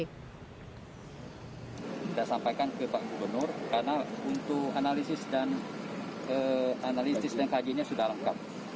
kita sampaikan ke pak gubernur karena untuk analisis dan analisis dan kajiannya sudah lengkap